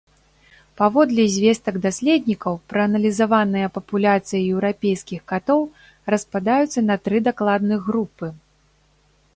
Паводле звестак даследнікаў, прааналізаваныя папуляцыі еўрапейскіх катоў распадаюцца на тры дакладных групы.